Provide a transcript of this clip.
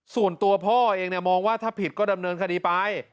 ส่วนตัวพ่อเองมองว่าถ้าผิดก็ดำเนินคดีไป